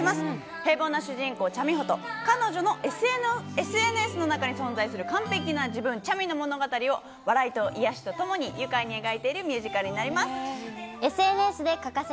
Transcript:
平凡な主人公チャ・ミホと彼女のＳＮＳの中に存在する完璧な自分、チャミの物語を笑いと癒やしとともに愉快に描いているミュージカルです。